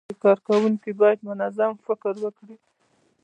کارکوونکي باید منظم فکر وکړي.